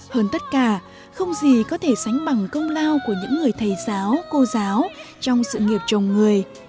hơn tất cả không gì có thể sánh bằng công lao của những người thầy giáo cô giáo trong sự nghiệp chồng người